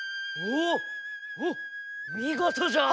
おっみごとじゃ。